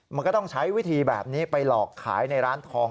มันก็ต้องใช้วิธีแบบนี้ไปหลอกขายในร้านทอง